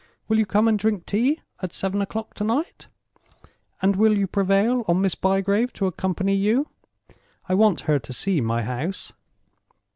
Will you come and drink tea at seven o'clock to night? And will you prevail on Miss Bygrave to accompany you? I want her to see my house.